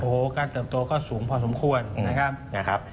โอ้โหการเติบโตก็สูงพอสมควร